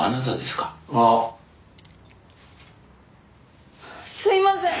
「すいません！」